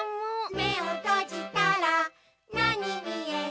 「めをとじたらなにみえる？」